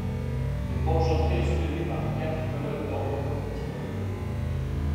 Le porche d'entrée est soutenu par quatre colonnes d'ordre corinthien en fonte.